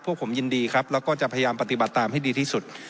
พวกผมยินดีครับแล้วก็จะพยายามปฏิบัติตามให้ดีที่สุด